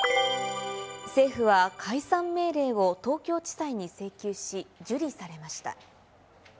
政府は解散命令を東京地裁に請求し、受理されました。